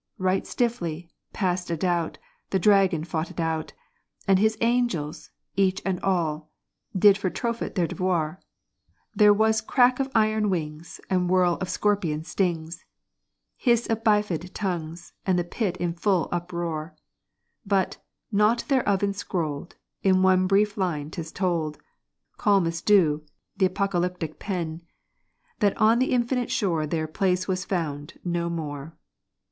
Right stiffly, past a doubt, the Dragon fought it out, And his Angels, each and all, did for Tophet their devoir There was creak of iron wings, and whirl of scorpion stings, Hiss of bifid tongues, and the Pit in full uproar! But, naught thereof enscrolled, in one brief line 'tis told (Calm as dew the Apocalyptic Pen), That on the Infinite Shore their place was found no more.